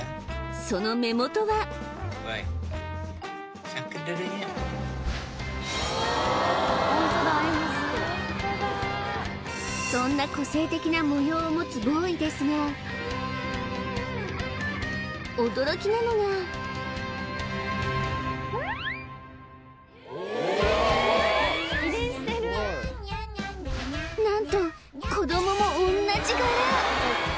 その目元はそんな個性的な模様を持つボーイですが驚きなのが何と子どももおんなじ柄！